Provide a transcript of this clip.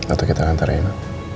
atau kita gantar rina